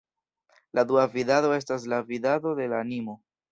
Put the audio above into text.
La dua vidado estas la vidado de la animo.